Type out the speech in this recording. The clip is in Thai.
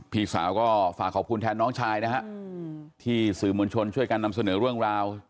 พี่สาวก็ฝากขอบคุณแทนน้องชายนะฮะที่สื่อมวลชนช่วยกันนำเสนอเรื่องราว